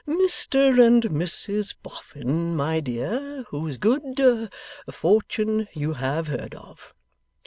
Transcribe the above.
'Mr and Mrs Boffin, my dear, whose good fortune you have heard of.